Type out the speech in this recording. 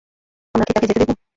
আমরা কি তাকে যেতে দিব?